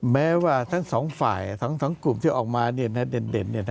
แม้ว่าทั้งสองฝ่ายทั้งสองกลุ่มที่ออกมาเด่น